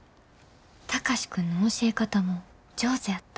貴司君の教え方も上手やった。